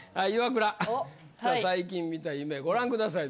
最近見た夢ご覧ください